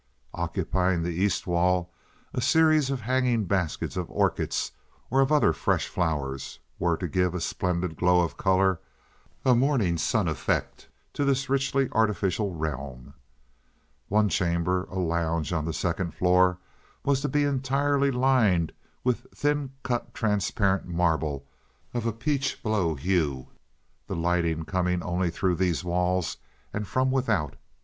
Occupying the east wall a series of hanging baskets of orchids, or of other fresh flowers, were to give a splendid glow of color, a morning sun effect, to this richly artificial realm. One chamber—a lounge on the second floor—was to be entirely lined with thin cut transparent marble of a peach blow hue, the lighting coming only through these walls and from without.